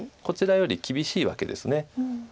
こちらより厳しいわけです。